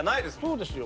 そうですよ。